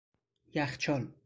یخچال